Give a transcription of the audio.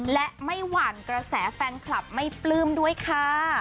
และไม่หวั่นกระแสแฟนคลับไม่ปลื้มด้วยค่ะ